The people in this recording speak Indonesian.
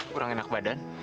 kurang enak badan